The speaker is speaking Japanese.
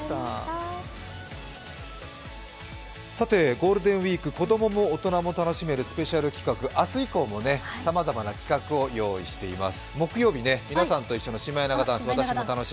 ゴールデンウイーク、子供も大人も楽しめるスペシャル企画、明日以降もさまざまな企画をご用意しています。